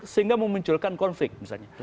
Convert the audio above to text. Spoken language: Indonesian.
sehingga memunculkan konflik misalnya